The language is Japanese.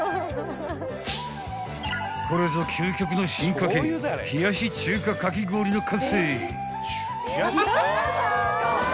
［これぞ究極の進化系冷やし中華かき氷の完成］